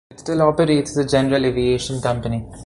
It still operates as a general aviation company.